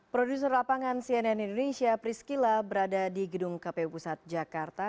produser lapangan cnn indonesia priscila berada di gedung kpu pusat jakarta